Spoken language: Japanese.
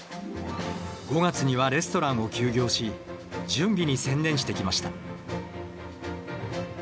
５月にはレストランを休業し準備に専念してきました。